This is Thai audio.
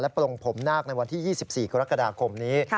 ปลงผมนาคในวันที่๒๔กรกฎาคมนี้